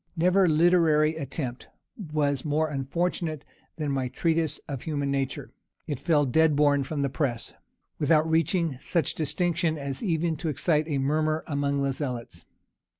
Never literary attempt was more unfortunate than my Treatise of Human Nature. It fell dead born from the press, without reaching such distinction as even to excite a murmur among the zealots.